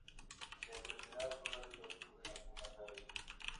La enfermedad todavía ocurre en algunas áreas.